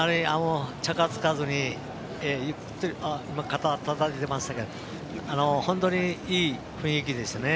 チャカつかずに肩をたたきましたけど本当にいい雰囲気でしたね。